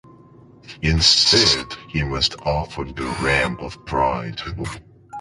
Instead, he must offer the "Ram of Pride".